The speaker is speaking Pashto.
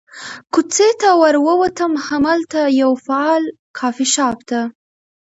کوڅې ته ور ووتم، همالته یوه فعال کافي شاپ ته.